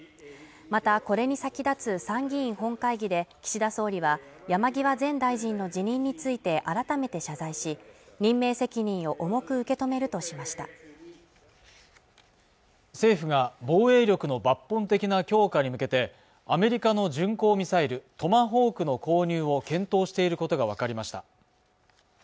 またこれに先立つ参議院本会議で岸田総理は山際前大臣の辞任について改めて謝罪し任命責任を重く受け止めるとしました政府が防衛力の抜本的な強化に向けてアメリカの巡航ミサイルトマホークの購入を検討していることが分かりました